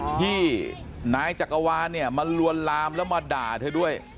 ที่นายจักรวาลเนี่ยมาลวนลามแล้วมาด่าเธอด้วย